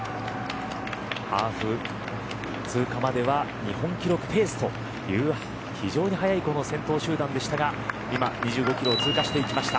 ハーフ通過までは日本記録ペースという非常に速いこの先頭集団でしたが今、２５キロを通過していきました。